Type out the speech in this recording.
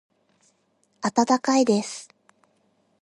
温かいです。